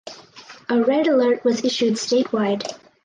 A red alert was issued statewide.